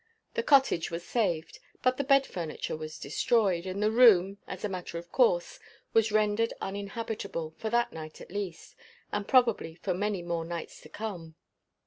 The cottage was saved. But the bed furniture was destroyed; and the room, as a matter of course, was rendered uninhabitable, for that night at least, and probably for more nights to come.